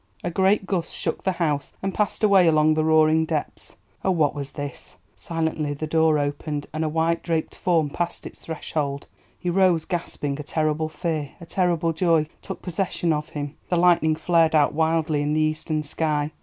A great gust shook the house and passed away along the roaring depths. Oh! what was this? Silently the door opened, and a white draped form passed its threshold. He rose, gasping; a terrible fear, a terrible joy, took possession of him. The lightning flared out wildly in the eastern sky.